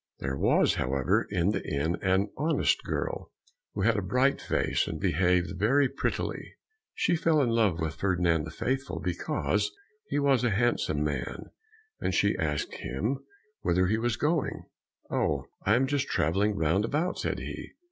There was, however, in the inn an honest girl, who had a bright face and behaved very prettily. She fell in love with Ferdinand the Faithful because he was a handsome man, and she asked him whither he was going. "Oh, I am just travelling round about," said he.